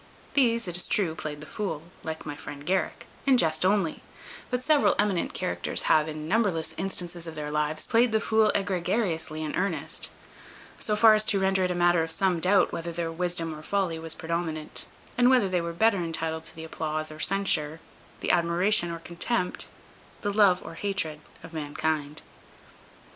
These, it is true, played the fool, like my friend Garrick, in jest only; but several eminent characters have, in numberless instances of their lives, played the fool egregiously in earnest; so far as to render it a matter of some doubt whether their wisdom or folly was predominant; or whether they were better intitled to the applause or censure, the admiration or contempt, the love or hatred, of mankind.